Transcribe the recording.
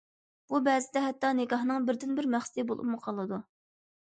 بۇ بەزىدە ھەتتا نىكاھنىڭ بىردىنبىر مەقسىتى بولۇپمۇ قالىدۇ.